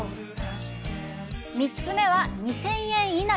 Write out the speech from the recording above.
３つ目は、２０００円以内。